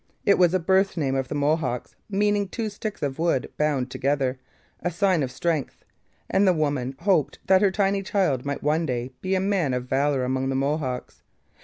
It was a birth name of the Mohawks meaning two sticks of wood bound together, a sign of strength; and the woman hoped that her tiny child might one day be a man of valour among the Mohawks.